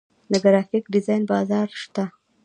د ګرافیک ډیزاین بازار شته